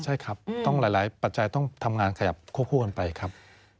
ใช่ครับต้องหลายปัจจัยต้องทำงานขยับควบคู่กันไปครับ